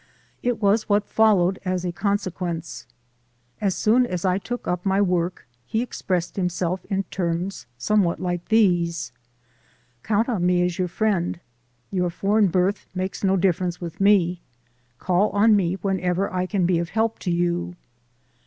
It was what followed as a consequence. As soon as I took up my work, he expressed himself in terms somewhat like these: "Count on me as your friend; your foreign birth makes no difference with me; call on me whenever I can be of help to you."